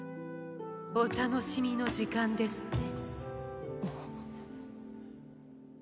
お楽しみの時間ですね。